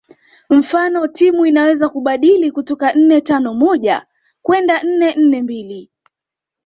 Mfano timu inaweza kubadili kutoka nne tano moja kwenda nne nne mbili